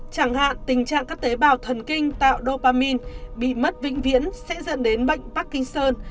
chẳng hạn tình trạng các tế bào thần kinh tạo dopamin bị mất vĩnh viễn sẽ dẫn đến bệnh parkinson